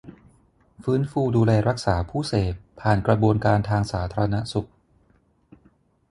ฟื้นฟูดูแลรักษาผู้เสพผ่านกระบวนการทางสาธารณสุข